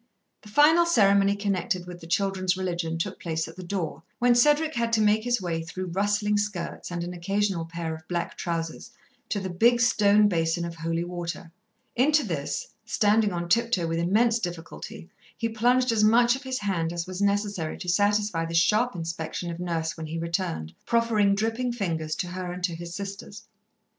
The final ceremony connected with the children's religion took place at the door, when Cedric had to make his way through rustling skirts and an occasional pair of black trousers to the big stone basin of holy water. Into this, standing on tiptoe with immense difficulty, he plunged as much of his hand as was necessary to satisfy the sharp inspection of Nurse when he returned, proffering dripping fingers to her and to his sisters.